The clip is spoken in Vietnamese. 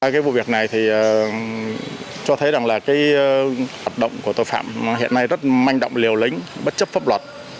cái vụ việc này thì cho thấy rằng là cái hoạt động của tội phạm hiện nay rất manh động liều lĩnh bất chấp pháp luật